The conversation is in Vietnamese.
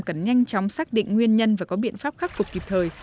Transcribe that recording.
cần nhanh chóng xác định nguyên nhân và có biện pháp khắc phục kịp thời